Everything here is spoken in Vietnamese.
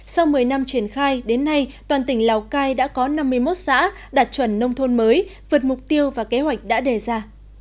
sau một mươi năm triển khai đến nay toàn tỉnh lào cai đã có năm mươi một xã đạt chuẩn nông thôn mới vượt mục tiêu và kế hoạch đã đề ra